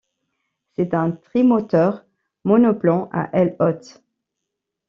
C'est un trimoteur monoplan à ailes hautes.